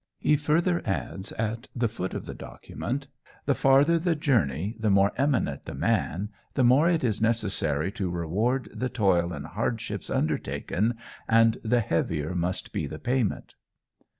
He further adds at the foot of the document, "The farther the journey, the more eminent the man, the more it is necessary to reward the toil and hardships undertaken, and the heavier must be the payment."